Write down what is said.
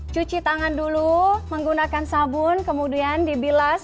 cuci tangan dulu menggunakan sabun kemudian dibilas